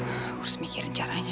aku harus mikirin caranya